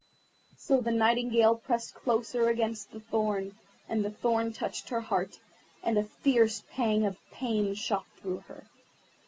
So the Nightingale pressed closer against the thorn, and the thorn touched her heart, and a fierce pang of pain shot through her.